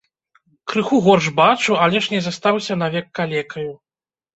Крыху горш бачу, але ж не застаўся навек калекаю.